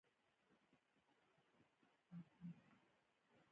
یووخت د مارکسیزم، لیننزم،